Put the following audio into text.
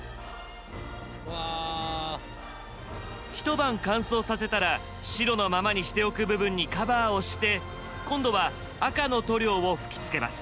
一晩乾燥させたら白のままにしておく部分にカバーをして今度は赤の塗料を吹きつけます。